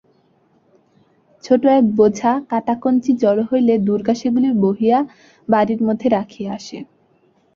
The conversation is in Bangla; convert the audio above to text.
ছোট এক বোঝা কাটা কঞ্চি জড়ো হইলে দুর্গা সেগুলি বহিয়া বাড়ীর মধ্যে রাখিয়া আসে।